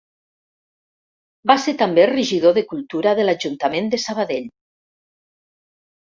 Va ser també regidor de Cultura de l'Ajuntament de Sabadell.